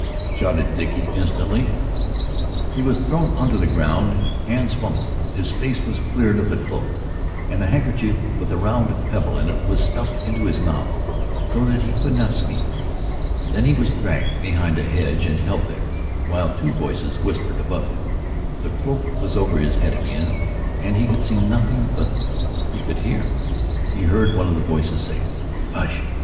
shouted Dickie instantly. He was thrown on to the ground. Hands fumbled, his face was cleared of the cloak, and a handkerchief with a round pebble in it was stuffed into his mouth so that he could not speak. Then he was dragged behind a hedge and held there, while two voices whispered above him. The cloak was over his head again now, and he could see nothing, but he could hear. He heard one of the voices say, "Hush!